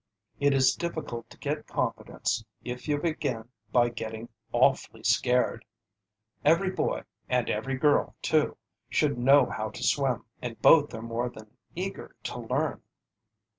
It is difficult to get confidence if you begin by getting "awfully scared." Every boy, and every girl too, should know how to swim, and both are more than eager to learn.